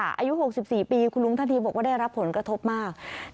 อายุ๖๔ปีคุณลุงท่านทีบอกว่าได้รับผลกระทบมาก